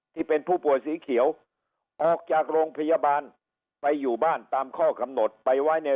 ที่เป็นผู้ป่วยสีเขียวออกจากโรงพยาบาลไปอยู่บ้านตามข้อกำหนดไปไว้ใน